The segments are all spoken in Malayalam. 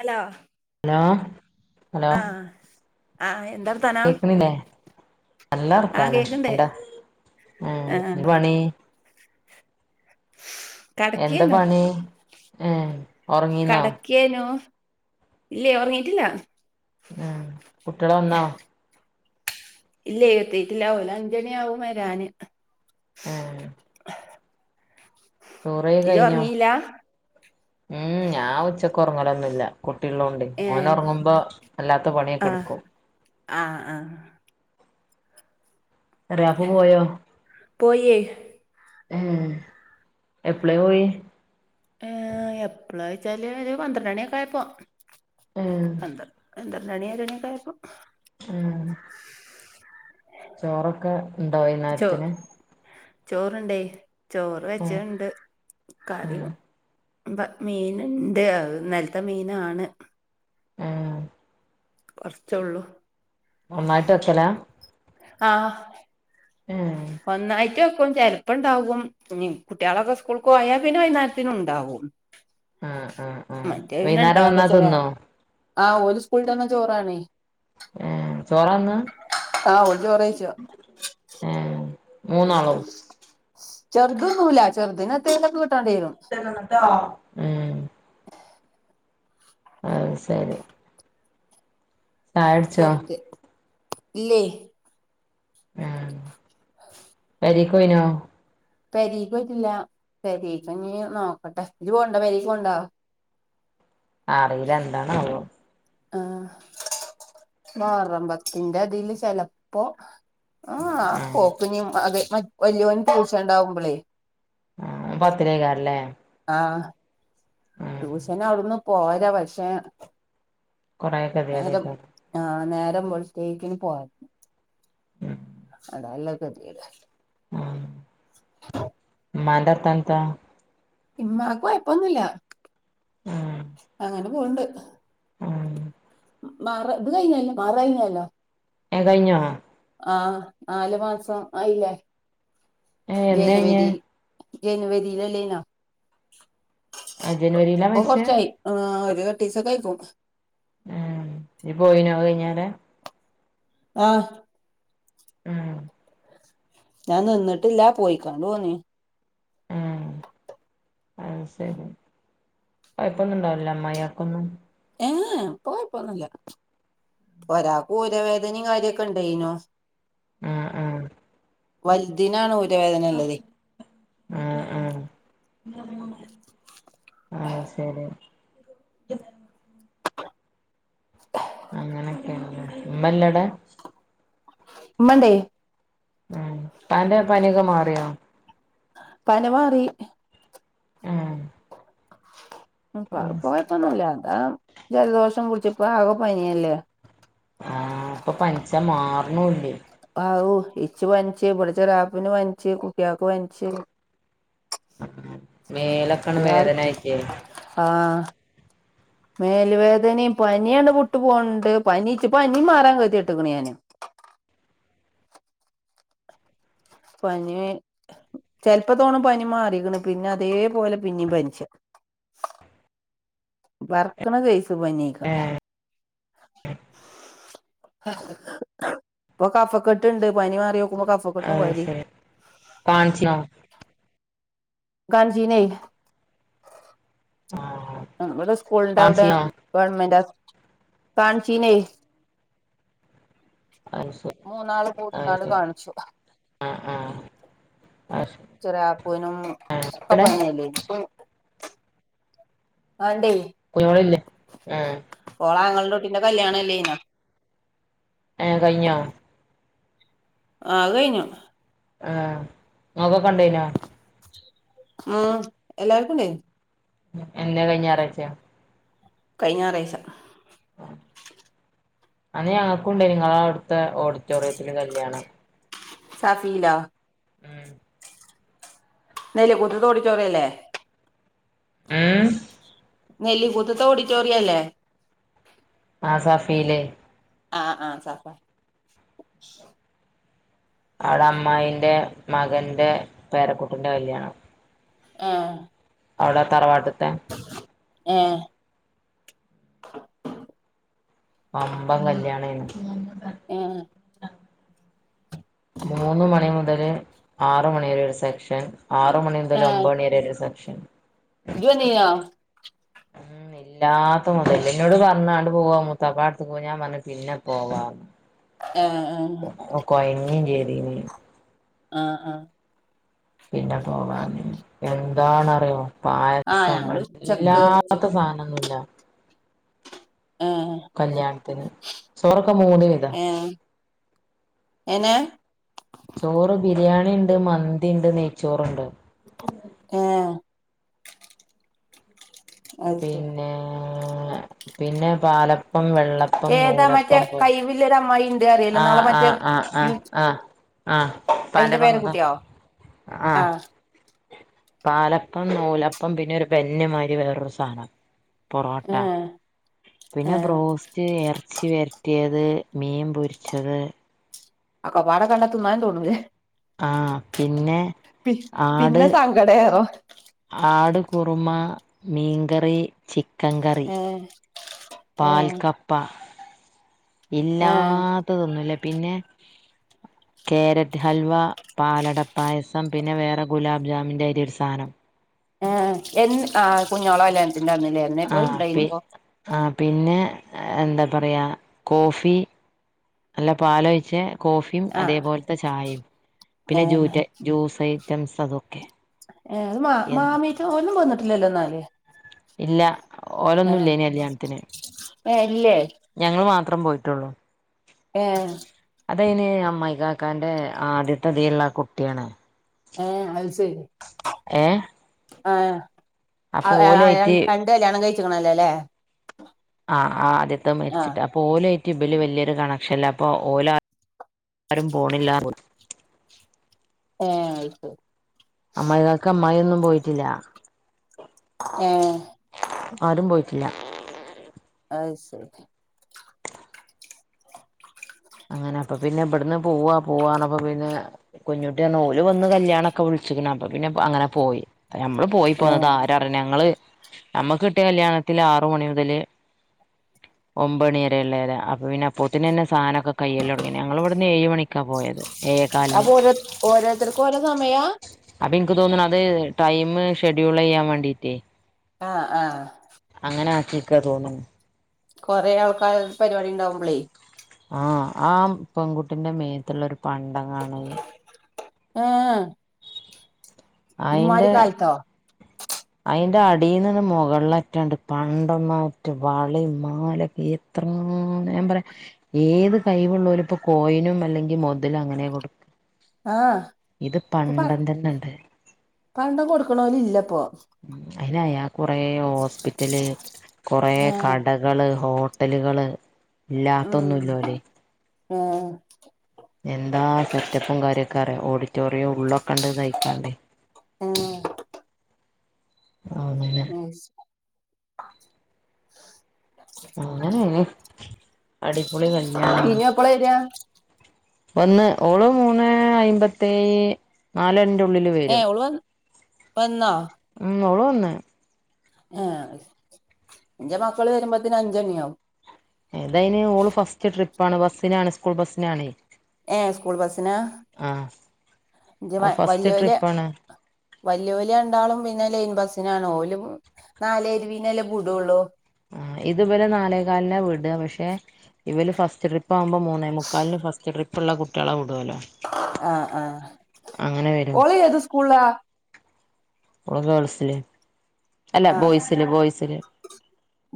ഹലോ ആ ആ ആ കേക്കുന്നില്ലേ നല്ല ആഹ് വർത്താന കേക്ക്ണ്ട് എന്താ ആ എ ആഹ് ന്താ പണി എന്താ കടക്കേനു പണി ഏ ഉറങ്ങീന്നോ കടക്കിയേനു ഇല്ലേ ഉറങ്ങിട്ടില്ല ആ കുട്ടികളെ വന്നോ ഇല്ല എത്തട്ടില്ലാഓല് അഞ്ചണി ആവും വരാന് ആ ഇജ് കഴിഞ്ഞോ ഉറങ്ങില ഉം ഞാൻ ഉച്ചക്കുറങ്ങലൊന്നുമില്ല കുട്ടികള്ളോണ്ട് ഓന ഏഹ് ഉറങ്ങുമ്പോ അല്ലാത്ത പണിയൊക്കെ ആഹ് എടുക്കും ആഹ് ആഹ് ചെറിയാപ്പു പോയോ പോയേ ഉം എപ്പളേ പോയി ഏ എപ്പളാ വെച്ചാല് ഒരു പന്ത്രണ്ട് മണിയൊക്കെ ആയപ്പോ ഏ പന്തത്രണ്ട്ണിയ ഓര്മണി യെക്കെ അയപ്പോം ഏ ചോറൊക്കെ ഉണ്ടാവെയ്ന്നേരത്തിന് ചോറ് ഇണ്ടെയ് ചോറ് വെച്ചെയ് ഇണ്ട് ഏ കാറിം മീനിണ്ട് ഇന്നൽത്തെ മീനാണ്. ഏഹ്. കുറച്ചുള്ളൂ. ഒന്നായിട്ട് വെക്കലാ? ആഹ് ഏ ഒന്നായിറ്റ് വെ ക്കും ചെലപ്പുണ്ടാാവും കുട്ട്യാളൊക്കെ സ്കൂൾക്ക് പോയാ പിന്നെ വൈകുന്നേരത്തിന് ഉണ്ടാവും. ആഹ് ആഹ് ആഹ് മറ്റേ പിന്നെ വൈന്നേരം ഇണ്ടാവില്ല വന്നാ ചെറ തിന്നോ ആഹ് ഓല് സ്കൂള് വിട്ട് വന്ന ചോറാണേ. ഏഹ് ചോറാന്നാ ആഹ് ഓല് ചോറ് വെയ്ച്ച. ഏഹ് മൂന്നാളോ ചെറുത് തിന്നൂല്ല ചെറുതിന് എന്തെങ്കിലും ഒക്കെ കിട്ട കിട്ടണം ട്ടോ ഉം. അയ് സെരി. ചായ കുടിച്ചോ? ഇല്ലേയ്. ആഹ്. പെരീക്ക് പോയിനോ? പെരിക്ക് പോയിട്ടില്ല പെരിക്ക് ഇഞ് നോക്കട്ടെ ഇജ് പോണ്ടോ പേരിക്ക് പോവൂണ്ടോ? അറീല എന്താണ് അവോ? ആഹ് ഗോതമ്പത്തിന്റെ ഇതില് ചെലപ്പോ ആഹ് പോക്കിഞ് വലിയോന് ട്യൂഷൻ ഉണ്ടാവുമ്പോളേ ആഹ് പത്തിലെക്കാരല്ലെ? ആഹ് ട്യൂഷൻ അവിടുന്ന് പോരാ പക്ഷെ കൊറേ നേരം കെതിയേടേക്കാരം ആഹ് നേ ത്തം വെളുത്തേക്കിന് പോരണം അതാല്ല [unintelligible] ആഹ് ഉമ്മാന്റെ വർത്താനം ഇത്താ. ഇമ്മക്ക് കുയപ്പൊന്നുയില്ല അങ്ങനെ പോവുണ്ട്. ആഹ് മർ ഇത് കഴിഞ്ഞയില്ലേ മഹ്ർ കഴിഞ്ഞ അല്ലെ. ഏഹ് കഴിഞ്ഞോ? ആഹ് നാലുമാസം ആയില്ലേ ഏഹ് എന്നാ കഴിഞ്ഞേ ജനുവരി. ജനുവരി അല്ലെയിരുന്നോ ജനുവരിയിലാ അപ്പൊ മരിച്ചേ കുറച്ചായി ഏഹ് ഒരു. ഒരു എട്ട് ദിവസം ഒക്കെ ആയ്ക്കും. ഏഹ് ഇനി പോയിനോ അത് കഴിഞ്ഞാലേ. ആഹ് ആഹ് ഞാൻ നിന്നിട്ടില്ല പോയികോണ്ട് പോണ്. ആഹ് അത് ശരി കൊഴപ്പൊന്നും ഇണ്ടാവൂലലെ അമ്മായാക്കൊന്നും. ഏഹ് ഇപ്പൊ കൊഴപ്പൊന്നും ഇല്ല. ഒരാൾക്ക് ഊരവേദനയും കാര്യയൊക്കെ ഇണ്ടെയ്നോ. ആഹ് ആഹ് വലുതിനാണ് ഊരവേദനയുള്ളത്. ആഹ് ആഹ് ശരി അങ്ങനൊക്കെ അല്ലെ ഇമ്മല്ലെ അവിടെ. ഇമ്മയുണ്ട്. ഉം അന്റെ പനിയൊക്കെ മാറിയോ? പനി മാറി. ഉം പാ ഇപ്പ കൊഴപ്പൊന്നും ഇല്ലാ അതാ ജൽദോഷം പുട്ച്ച് ഇപ്പ ആകെ പനി അല്ലേ ആ ഇപ്പ പൻച്ചാ മാർണുല്ലെയ് ആഹു ഇച്ച് പൻച്ച് ഇബടെ ചെറാപ്പുന് പൻച്ച് കുട്ടിയാക്ക് പൻച്ച് മേലൊക്കാണ്ട് എല്ലാർക്കും വേദനായിട്ടെ മേൽ വേദനിം പനിയാണ്ട് വുട്ട് പോൺണ്ട് പനി ഇച്ച് പനി മാറാൻ കെതെട്ട്ക്ക്ണ് ഞാൻ പനി ചെൽപ്പം തോണും പനി മാറിക്ക്ണ് പിന്നെ അതേപോലെ പിന്നിം പൻച്ചാ ബർക്ക്ണ സെയ്സ് പന്യായ്ക്ക ഏഹ് ഇപ്പൊ കഫക്കെട്ട് ഇണ്ട് പനി മാറിയൊ ക്കുമ്പം കഫകെട്ടും അത് കൊരിം ശരി കാണിച്ചിനോ കാണ്ഞ്ചിനെ ആഹ് ഇവടെ സ്കൂൾന്റെ അവ്ടെ കാണിച്ചിനോ ഗവൺമെന്റാ കാൺച്ചീനെയ് അത് ശരി മൂന്നാള് അത് കൂടിക്കാണ്ട് ശരി കാൺച്ചു ആഹ് ആഹ് അത് ശരി ചെറ്യാപ്പുനും ഒക്കെ എവിടെ പനി അല്ലെയ് ച്ചും ആ ഇണ്ടെയ് കുഞ്ഞോൾ ഇല്ലേ ആ ഓളെ ആങ്ങൾന്റെ കുട്ടീന്റെ കല്യാണം അല്ലെയ്നൊ ഏ കയ്ഞ്ഞോ ആ അത് കയ്ഞ്ഞു ആ ഇങ്ങക്കൊക്കെണ്ടെയ്നോ ആ എല്ലാർക്കുംണ്ടെയ്നി എന്നെ കയ്ഞ്ഞ ഞാറാച്ച്യാേ കയ്ഞ്ഞ ഞാറായ്ച്ച ആ അന്ന് ഞങ്ങക്കുണ്ടെയ്നി ഇങ്ങളെ അവ്ട്ത്തെ ഓഡിറ്റോറിയത്തില് കല്യാണം സഫീല ഉം [unintelligible] ല് കുതുതോടിറ്റോറിയല്ലേ ഊം നെല്ലിക്കൂത്ത്ത്തെ ഓടിറ്റോറിയല്ലേ ആ സഫീലെ ആ ആ സാഫാ അവള അമ്മായിന്റെ മകന്റെ പേരക്കൂട്ടിന്റെ കല്യാണം ആ അവ്ടെ തറവാട്ട്ത്തെ ഏ വമ്പം കല്യാണേനു ഏ മൂന്ന് മണി മുതല് ആറ് മണി വരെ ഒര് സെക്ഷൻ ആറ് മണി മുതൽ ഏ ഒമ്പണി വരെ ഒര് സെക്ഷൻ ഇജ്ജ് വന്നീനോ ഉം ല്ലാത്ത മാെതലല്ലേ ന്നാേട് പറഞ്ഞ് ആണ്ട് പോവാ മുത്താപ്പാന്റെട്ത്ത്ക്കോവ ഞാൻ പറഞ്ഞ് പിന്നെ പോവാന്ന് ഏ ഏ കൊയ്ങ്ങിം ചെയ്‌തീനി ആ ആ പിന്നെ പോവാർഞ്ഞ് എന്താണറിയോ ആ പായസങ്ങൾ ഞങ്ങള് ഉച്ചക്ക് ഉച്ച ല്ലാത്ത സാധനാെന്നുല്ല ഏ കല്യാണത്തിന് ചോറൊക്കെ മൂന്ന് വിതാ ഏ എനെ ചോറ് ബിരിയാണി ഉണ്ട് മന്തി ഉണ്ട് നെയ്ച്ചോറണ്ട് ഏ അത് ശരി പിന്നേ പിന്നെ പാല പ്പം വെള്ളപ്പം ഏതാ മറ്റേ നൂലപ്പം പോ കൈവില്ലൊരു അമ്മായി ഉണ്ട് അറിയല്ലോ ആ നാളെ ആ മറ്റേ ആ ആ യു ആ ആ പന്റെ അയിന്റെ പങ്ങ പേരക്കുട്ടിയോ ആ പാലപ്പം നൂലപ്പം പിന്നെ ഒരു പെെന്നിമാതിരി വേറൊരു സാധനം പൊറോട്ട ഏ ഏ പിന്നെ ബ്രോസ്റ്റ് അച്ചി വരട്ടിയത് മീൻ പൊരിച്ചത് ആ കപാട കണ്ടത്തന്നന്ന് തോന്നൂല്ലേ ആഹ് പിന്നെ പി ആട് പിന്നെ സങ്കടയണോ ആട് കുറുമ മീൻകറി ച ഏ പാൽക്കപ്പ ഏഹ് ഇല്ലാത്തതൊന്നുംല്ല പിന്നെ കോരറ്റ് ഹൽവ പാലടപ്പായസം പിന്നെ വേറെ ഗുലാബ് ജാമിൻ്റെതിന്റെ ഒരു സാധനം ആ എ ആ കുഞ്ഞോള അല്ല ആ പി ആ പിന്നെ എന്താ പറയുക കോഫി നല്ല പാലൊഴിച്ച് കോഫിയും ആഹ് അതേപോലത്തെ ചായയും പിന്നെ ജ ഏഹ് ജ്യൂസ് ഐറ്റംസ് അതൊക്കെ ഏ അത് മാ എന്ന് മാമീട്ട ഒന്നും വന്നിട്ടില്ലല്ലോ എന്നാല് ഇല്ല ഓരൊന്നുംല്ല ഇനി കല്യാണത്തിന് ല്ലേ അത്രം പോയിട്ടുള്ളൂ ഏ അത ഇന് അമ്മ്മായി കാക്കാന്റെ ആദ്യത്തെതിയുള്ള ആ കുട്ടിയാണ് ആ അത് ശരി ഏ [unintelligible] അപ്പൊ ഓലായിട്ട് രണ്ടകല്ലണം കഴിച്ചിക്കണല്ലോ അല്ലേ ആ ആദ്യത്തെ ആഹ് മരിച്ചിട്ട് അപ്പോ ഓലോ ഈ യബില് വലിയൊരു കണക്ഷനല്ലെ അപ്പോ ഓലോ ആരും പോണില്ല ആ ആയിക്ക അമ്മായിക്കൾക്ക് അമ്മായി ഒ ന്നും പോയിട്ടില്ല ആഏ ഇല്ല അ ശരി അങ്ങനെ അപ്പൊ പിന്നെ ഇവിടന്ന് പോവാ പോവാണപ്പ പിന്നെ കുഞ്ഞുട്ടി ഓല് വന്ന് കല്യാണൊക്കെ വിളിച്ചിക്കണ അപ്പൊ പിന്നെ അങ്ങനെ പോയി നമ്മള് പോയി പോന്ന ത് ഏഹ് ആരായി ഞങ്ങള് നമ്മക്ക് കിട്ടിയ കല്യാണത്തിലു ആറു മണി മുതല് ഒമ്പത്തുമണി വ രല്ലേ അതെ അപ്പഴാത്തേ പിന്നെ പൊത്തിന് തന്നെ സാധനൊക്കെ തയ്യല് തുടങ്ങി ഞങ്ങൾ ഇവിടുന്ന് ഏഴ് മണിക്കാ പോയത് ഏഴേകാലിന് അപ്പൊ ഓരോ ഓരോരുത്തർക്കും ഓരോ സമയ അപ്പൊ എനിക്ക് തോന്നണ് അത് ടൈം ഷെഡ്യൂൾ ചെയ്യാൻ വേണ്ടീട്ടേ ആ ആ അങ്ങനെ ആ ചീക്കാ തോന്നുന്നു കൊറെേ ആൾക്കാർ പരിപാടി ഉണ്ടാവുമ്പളേ ആ ആ പെൺകുട്ടിന്റെ മേത്തുള്ള ഒരു പണ്ടങ്ങാണ് ആ ഇമ്മാതിരി കാലത്തോ അതിന്റെ അടിന്ന്ത ന്നെ മുകളിലറ്റമുണ്ട് പണ്ടവും മറ്റും വളയും മാലയും ഉം ഞാൻ പറയാം ഏത് കഴിവുള്ളവരും ഇപ്പോ കോയിനും അല്ലെങ്കിൽ മുതലും അങ്ങനെ കൊടുക്കു. ആഹ് ഇപ്പ പൻ തന്നെണ്ട് പണ്ടം കൊടുക്ണോല് ഇല്ലപ്പൊ അയാക്ക് കുറെ ഹോസ്പിറ്റല് കൊറെ ആഹ് കടകള് ഓ ട്ടല്കള് ഇല്ലാത്തതൊന്നും ഇല്ലോലെ ഹേ എന്താ സെറ്റപ്പും കാര്യോക്കെ അറിയോ ഓഡിറ്റോറിയം ഉള്ളൊക്കെണ്ട് തയ്ക്കാണ്ടേ ഹേ അങ്ങനെ [unintelligible] അങ്ങനെങ്ങനെ ഫിനു എപ്പളാ വെരാ? ഒന്ന് ഓള് മൂന്നെ അയ്ബത്തെയ്യ് നാലെണിന്റെ ഉള്ളില് വെരും ബെന്നോ ഉം ഓള് വന്ന് ഹേ ഇന്റെ മക്കള് വരുമ്പത്തിന് അഞ്ചണി ആവും ഇതയ്ന് ഓള് ഫസ്റ്റ് ട്രിപ്പാണ് ബസ്സിനാണ് സ്കൂൾ ബസ്സിനാണ് ഏഹ് സ്കൂൾ ബസിനാ? ആഹ് ഇന്റെ മ ഫസ്റ്റ് വല്ല്യോലെ ട്രിപ്പാണ് വല്ല്യോല് രണ്ടാളും പിന്നെ ലൈൻ ബസ് ത്തിനാണ് ഓലും നാലെ ഇരുവിനല്ലേ ബ്ടെള്ളൂ ആഹ് ഇത് ബലെ നാലേ കാൽനാ വ്ട ബഷേ ഇവല് ഫസ്റ്റ് ട്രിപ്പ് ആവുമ്പം മൂന്നേ മുക്കാലിന് ഫസ്റ്റ് ട്രിപ്പ് ഇള്ള കുട്ട്യാളെ വ് ആഹ് ആഹ് അങ്ങനെ വരും ഓള് ഏത് സ്കൂളിലാ? ഓള് ഗേൾസ്ല് ആഹ് ആഹ്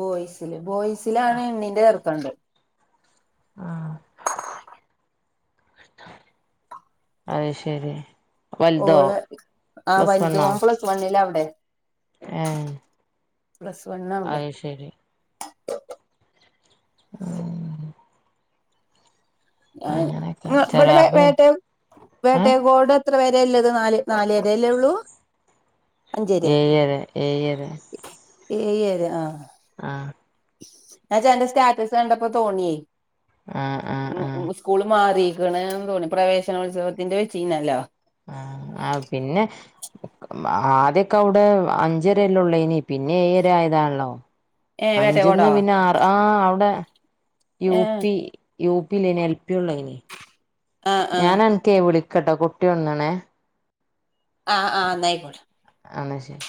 ബോയ്സ്ല് ബോയ്സിലാണ് ഇണിന്റെ ചെർക്കൻണ്ട് ആഹ് [inaudible] അഹ് ശെരി ഓള് ആഹ് വൽത് ഓം പ്ലസ് വൺല് ഔടെ ഏഹ് പ്ലസ് വൺ അവിടെ. ഏഹ് അങ്ങനെയൊക്കെ ഇവിടെ ചെറിയാപ്പ ഞാൻ വേട്ട വേട്ടയകോട്. എത്ര പേരെ ഉള്ളത് നാല് നാലേരല്ലേ ഉള്ളൂ. അഞ്ചേരെ ഏഴര ഏഴര. ഏഴര ആഹ് ആഹ് ഞാൻ ചേട്ടന്റെ സ്റ്റാറ്റസ് കണ്ടപ്പോ തോന്നി ആ ആ ഉം ആ ഉം സ്കൂള് മാറി. എനിക്കൊന്ന് തോന്നി പ്രവേശനോത്സവത്തിന്റെ വച്ചിരുന്നല്ലോ. ആഹ് ആഹ് പിന്നെ ആദ്യയൊക്കെ അവിടെ അഞ്ചരല്ലാം ഉള്ളയെനി പിന്നെ ഏഴര ആയതാണല്ലോ. ഏ അഞ്ചയെന്ന് വേട്ടയകോടോ പിന്നെ ആറ് ആഹ് അവിടെ U A P. U P ഇല്ലായിരുന്നു എൽ പി ഉള്ളേനി. ആ ആ ഞാൻ എണീറ്റ് വിളിക്കട്ടെ കുട്ടിവന്നേനെ. ആഹ് ആഹ് എന്നാ ആയിക്കോട്ടെ. എന്നാ ശരി